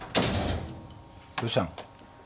どうしたの？